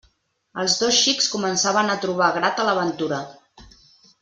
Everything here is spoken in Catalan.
Els dos xics començaven a trobar grata l'aventura.